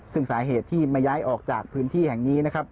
ซึ่งสาเหตุที่มาย้ายออกจากพื้นที่แห่งนี้นะครับ